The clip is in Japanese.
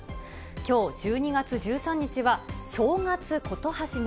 きょう１２月１３日は正月事始め。